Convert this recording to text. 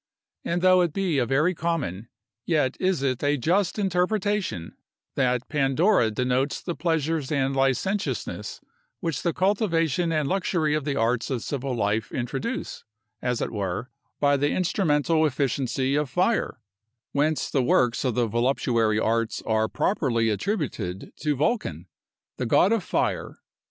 And though it be a very common, yet is it a just interpretation, that Pandora denotes the pleasures and licentiousness which the cultivation and luxury of the arts of civil life introduce, as it were, by the instrumental efficacy of fire; whence the works of the voluptuary arts are properly attributed to Vulcan, the God of Fire.